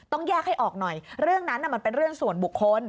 ต้องแยกให้ออกหน่อยเรื่องนั้นมันเป็นเรื่องส่วนบุคคล